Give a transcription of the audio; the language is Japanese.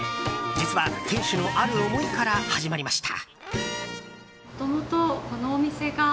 実は、店主のある思いから始まりました。